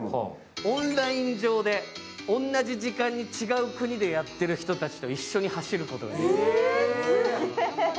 オンライン上で同じ時間に違う国でやっている人たちと一緒に走ることができる。